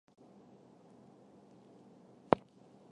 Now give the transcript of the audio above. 铱是地球地壳中最稀有的元素之一。